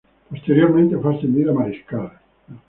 Posteriormente, fue ascendido a mariscal.